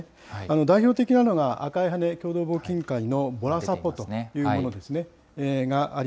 代表的なのが、赤い羽根共同募金会のボラサポートというものですね。